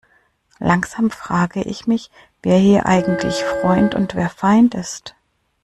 Langsam frage ich mich, wer hier eigentlich Freund und wer Feind ist.